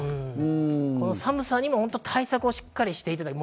この寒さにも対策をしっかりとしていただきたい。